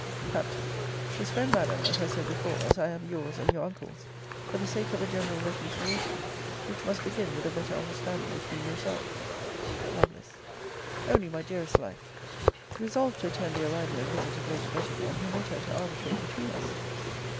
Capt. His friend, Madam, as I said before, as I am your's and your uncle's, for the sake of a general reconciliation, which must begin with a better understanding between yourselves. Lovel. Only, my dearest life, resolve to attend the arrival and visit of Lady Betty; and permit her to arbitrate between us.